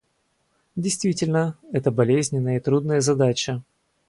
Действительно, это болезненная и трудная задача.